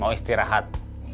baru disin pathway